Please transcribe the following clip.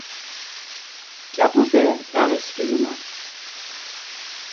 Mǩyapupe dağis skidunan.